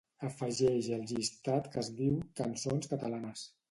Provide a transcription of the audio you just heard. Afegeix el llistat que es diu "cançons catalanes".